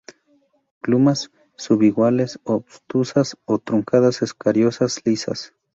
Glumas subiguales, obtusas o truncadas, escariosas, lisas.